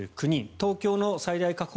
東京の最大確保